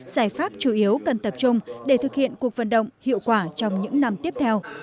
giải pháp chủ yếu cần tập trung để thực hiện cuộc vận động hiệu quả trong những năm tiếp theo